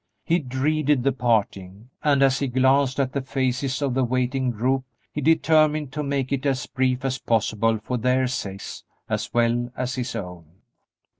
He dreaded the parting, and, as he glanced at the faces of the waiting group, he determined to make it as brief as possible for their sakes as well as his own.